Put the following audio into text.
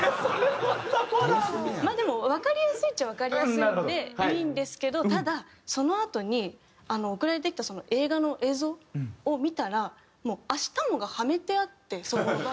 まあでもわかりやすいっちゃわかりやすいんでいいんですけどただそのあとに送られてきたその映画の映像を見たらもう『明日も』がはめてあってそこの場面に。